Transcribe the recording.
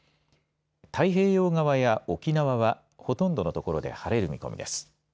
太平洋側や沖縄はほとんどの所で晴れる見込みです。